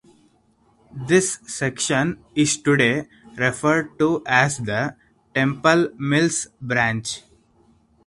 This section is today referred to as the Temple Mills branch.